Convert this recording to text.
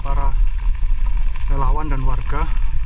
para relawan dan warga